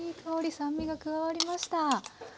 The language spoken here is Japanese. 酸味が加わりました。